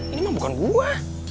ini mah bukan gue